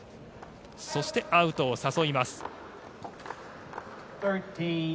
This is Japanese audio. そして、アウトを誘います。